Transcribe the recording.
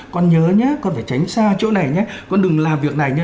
con nhớ nhé con phải tránh xa chỗ này nhé con đường làm việc này nhé